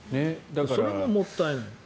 それももったいない。